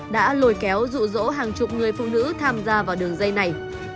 đã lôi kéo rụ rỗ hàng chục người phụ nữ tham gia vào đường dây này